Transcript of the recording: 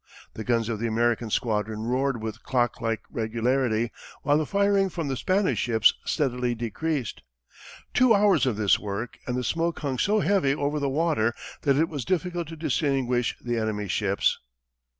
The guns of the American squadron roared with clocklike regularity, while the firing from the Spanish ships steadily decreased. Two hours of this work, and the smoke hung so heavy over the water that it was difficult to distinguish the enemy's ships.